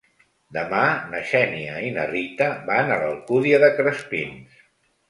Demà na Xènia i na Rita van a l'Alcúdia de Crespins.